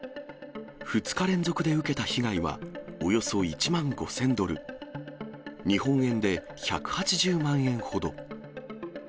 ２日連続で受けた被害は、およそ１万５０００ドル、日本円で１８０万円ほど。